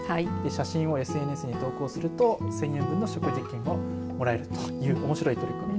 写真をＳＮＳに投稿すると１０００円分の食事券をもらえるというおもしろい取り組み。